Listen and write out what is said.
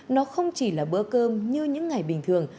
nó không chỉ là bữa cơm như những ngày bình thường